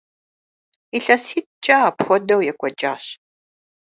ИлъэситӀкӀэ апхуэдэу екӀуэкӀащ.